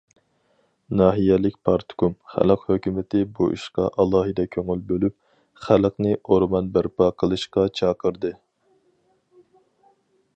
ناھىيەلىك پارتكوم، خەلق ھۆكۈمىتى بۇ ئىشقا ئالاھىدە كۆڭۈل بۆلۈپ، خەلقنى ئورمان بەرپا قىلىشقا چاقىردى.